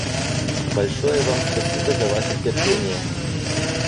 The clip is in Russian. Большое вам спасибо за ваше терпение.